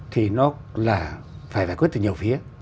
thì nó là phải giải quyết từ nhiều phía